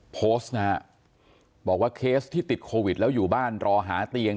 โพสต์นะฮะบอกว่าเคสที่ติดโควิดแล้วอยู่บ้านรอหาเตียง